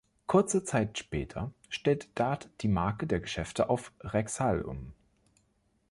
Kurze Zeit später stellt Dart die Marke der Geschäfte auf Rexall um.